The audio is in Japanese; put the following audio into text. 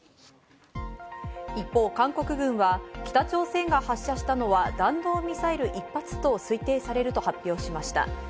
一方、韓国軍は北朝鮮が発射したのは弾道ミサイル１発と推定されると発表しました。